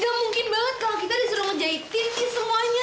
gak mungkin banget kalau kita disuruh ngejaitin nih semuanya